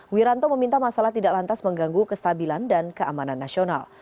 wiranto meminta masalah tidak lantas mengganggu kestabilan dan keamanan nasional